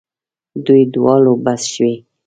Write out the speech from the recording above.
دوی دواړو بس شوې.